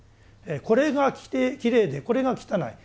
これがきれいでこれが汚い。